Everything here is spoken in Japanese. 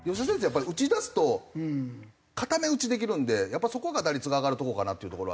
やっぱり打ちだすと固め打ちできるんでそこが打率が上がるとこかなっていうところありますけどね。